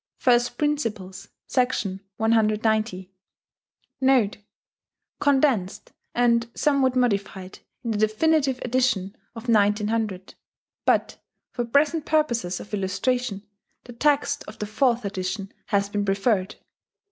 "* First Principles, Section 190. [*Condensed and somewhat modified in the definitive edition of 1900; but, for present purposes of illustration, the text of the fourth edition has been preferred.